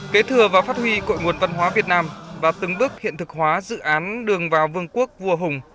kế thừa và phát huy cội nguồn văn hóa việt nam và từng bước hiện thực hóa dự án đường vào vương quốc vua hùng